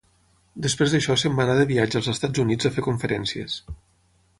Després d'això se'n va anar de viatge als Estats Units a fer conferències.